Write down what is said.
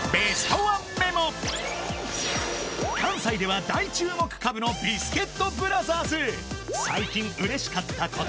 関西では大注目株のビスケットブラザーズ